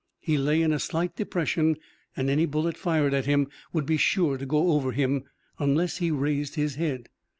He lay in a slight depression and any bullet fired at him would be sure to go over him unless he raised his head.